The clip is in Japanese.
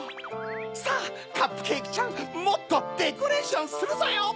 さぁカップケーキちゃんもっとデコレーションするぞよ！